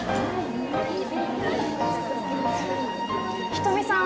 人見さん